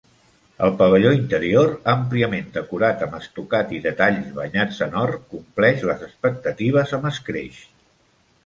El pavelló interior, àmpliament decorat amb estucat i detalls banyats en or, compleix les expectatives amb escreix.